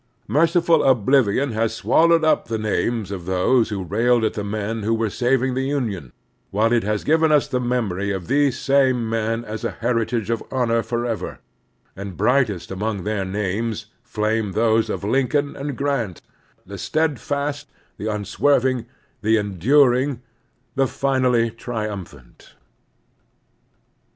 Merciful oblivion has swallowed up the names of those who railed at the men who were saving the Union, while it has given us the memory of these same men as a heritage of honor forever; and brightest among their names flame those of Lincoln and Grant, the steadfast, the unswerving, the enduring, the finally triiunphant.